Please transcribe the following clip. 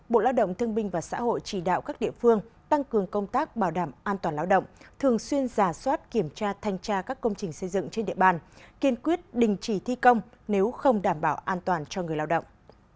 bộ lao động thương binh và xã hội chỉ đạo các địa phương tăng cường công tác bảo đảm an toàn lao động thường xuyên giả soát kiểm tra thanh tra các công trình xây dựng trên địa bàn kiên quyết đình chỉ thi công nếu không đảm bảo an toàn cho người lao động